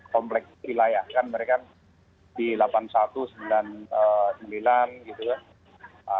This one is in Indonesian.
kompleks wilayah kan mereka di delapan puluh satu sembilan puluh sembilan gitu ya